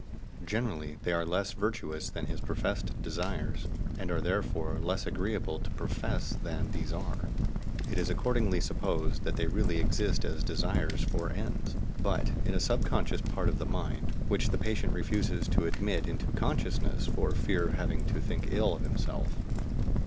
Generally they are less virtuous than his professed desires, and are therefore less agreeable to profess than these are. It is accordingly supposed that they really exist as desires for ends, but in a subconscious part of the mind, which the patient refuses to admit into consciousness for fear of having to think ill of himself.